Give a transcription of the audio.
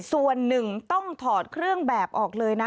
ส่วนหนึ่งต้องถอดเครื่องแบบออกเลยนะ